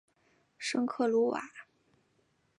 圣克鲁瓦。